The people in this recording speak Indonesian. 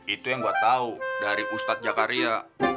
itu yang gua tau dari ustadz jakaria